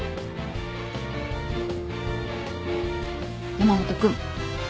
山本君。